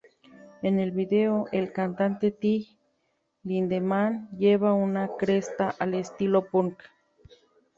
En el vídeo, el cantante Till Lindemann lleva una cresta al estilo "punk".